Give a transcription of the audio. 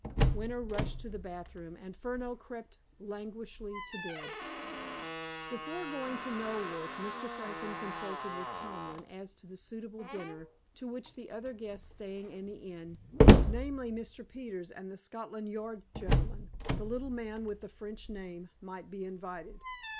Winter rushed to the bathroom, and Furneaux crept languidly to bed. Before going to Knoleworth, Mr. Franklin consulted with Tomlin as to a suitable dinner, to which the other guests staying in the inn, namely, Mr. Peters and the Scotland Yard gentleman—the little man with the French name—might be invited.